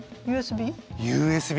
ＵＳＢ？